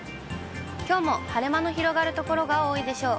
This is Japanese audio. きょうも晴れ間の広がる所が多いでしょう。